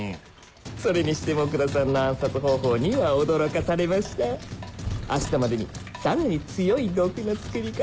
それにしても奥田さんの暗殺方法には驚かされました明日までにさらに強い毒の作り方